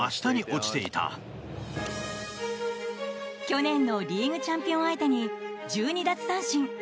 去年のリーグチャンピオン相手に１２奪三振。